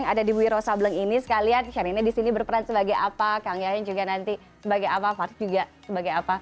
ada di wirosa bleng ini sekalian sherina di sini berperan sebagai apa kang yayan juga nanti sebagai apa fariz juga sebagai apa